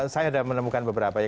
saya sudah menemukan beberapa ya